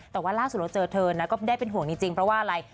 แต่ว่าล่าสุดเราเจอเธอนะก็ได้เป็นห่วงจริงเพราะว่าอะไร